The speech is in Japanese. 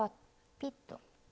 ピッと。